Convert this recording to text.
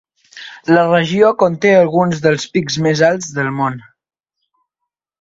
La regió conté alguns dels pics més alts del món.